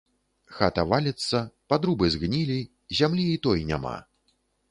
Хата валіцца, падрубы згнілі, зямлі і той няма.